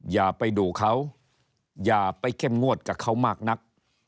อย่าไปดูเขาอย่าไปเข้มงวดกับเขามากนัก